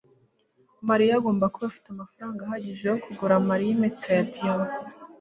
mariya agomba kuba afite amafaranga ahagije yo kugura Mariya impeta ya diyama